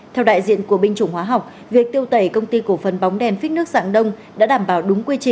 theo đại diện của binh chủng hóa học việc tiêu tẩy công ty cổ phần bóng đèn phích nước dạng đông